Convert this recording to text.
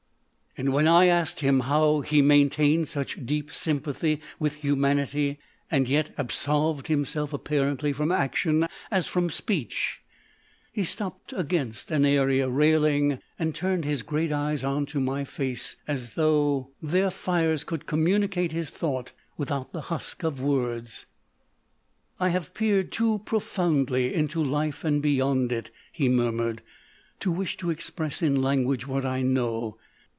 And when I asked him how he maintained such deep sympathy with humanity, and had yet absolved himself apparently from action as from speech, he stopped against an area railing and 266 THE OLD MAN OF VISIONS turned his great eyes on to my face, as though their fires could communicate his thought without the husk of words : 44 1 have peered too profoundly into life and beyond it/' he murmured, " to wish to express in language what I know.